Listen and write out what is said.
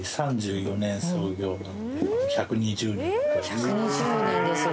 １２０年ですよ。